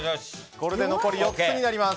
これで残り４つになります。